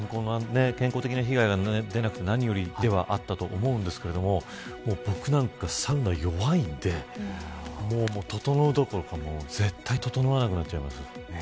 健康的な被害が出なくて何よりだとは思いますが僕なんかサウナ弱いのでととのうどころか絶対、ととのわなくなっちゃいます。